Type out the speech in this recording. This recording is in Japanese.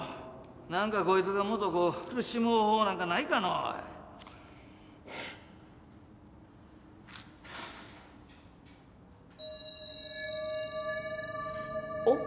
なんかこいつがもっとこう苦しむ方法なんかないかのう？おっ？